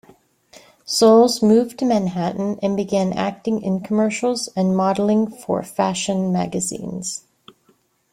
Soles moved to Manhattan and began acting in commercials and modeling for fashion magazines.